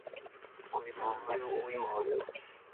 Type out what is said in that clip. coisa móvel ou imóvel